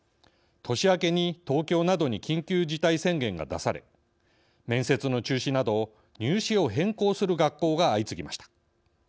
年明けに東京などに緊急事態宣言が出され面接の中止など入試を変更する学校が相次ぎました。